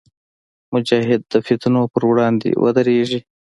مجاهد د فتنو پر وړاندې ودریږي.